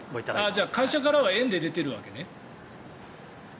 じゃあ会社からは円で出ているわけね。